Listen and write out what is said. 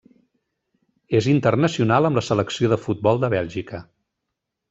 És internacional amb la selecció de futbol de Bèlgica.